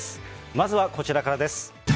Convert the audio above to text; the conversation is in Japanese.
まずはこちらからです。